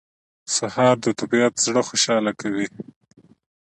سهار د طبیعت زړه خوشاله کوي.